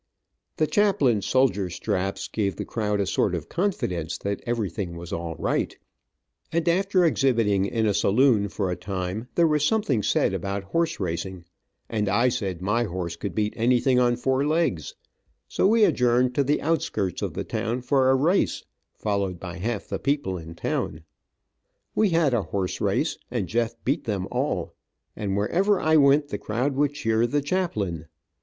The chaplain's shoulder straps gave the crowd a sort of confidence that everything was all right, and after exhibiting in a saloon for a time, there was something said about horse racing, and I said my horse could beat anything on four legs, so we adjourned to the outskirts of town for a race, followed by half the people in town. We had a horse race, and Jeff beat them all, and wherever I went the crowd would cheer the chaplain.